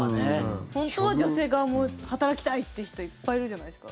本当は女性側も働きたい！って人いっぱいいるじゃないですか。